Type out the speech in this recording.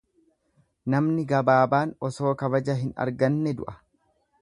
Namni gabaabaan osoo kabaja hin arganne du'a.